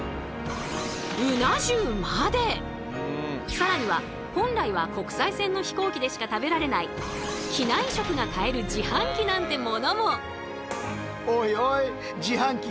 更には本来は国際線の飛行機でしか食べられない機内食が買える自販機なんてものも。